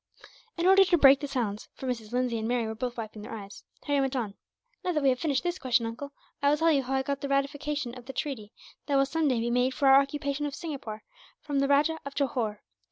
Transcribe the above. In order to break the silence, for Mrs. Lindsay and Mary were both wiping their eyes, Harry went on: "Now that we have finished this question, uncle, I will tell you how I got the ratification of the treaty, that will some day be made for our occupation of Singapore, from the Rajah of Johore.